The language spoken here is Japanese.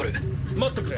待ってくれ。